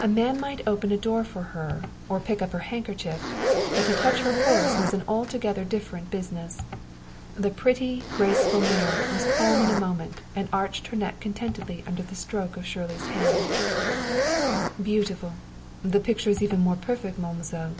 A man might open a door for her or pick up her handkerchief, but to touch her horse was an altogether different business. The pretty, graceful mare was calm in a moment and arched her neck contentedly under the stroke of Shirley's hand. "Beautiful! The picture is even more perfect, Mademoiselle!"